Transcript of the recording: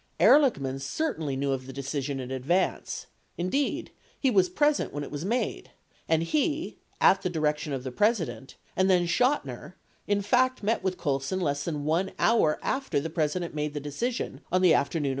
Ehrlichman certainly knew of the decision in advance — indeed, he was present when it was made 99 — and he ( at the direction of the President) and then Chotiner in fact met with Colson less than 1 hour after the President, made the decision on the afternoon of the 23d.